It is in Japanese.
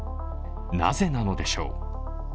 なぜなのでしょう。